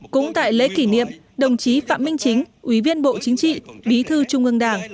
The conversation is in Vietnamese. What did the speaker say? cũng tại lễ kỷ niệm đồng chí phạm minh chính ủy viên bộ chính trị bí thư trung ương đảng